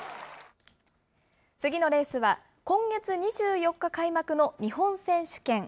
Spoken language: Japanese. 次のレースは、今月２４日開幕の日本選手権。